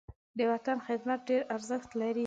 د وطن خدمت ډېر ارزښت لري.